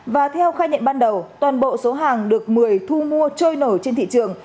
và theo khai nhận ban đầu toàn bộ số hàng được mười thu mua trôi nổi trên thị trường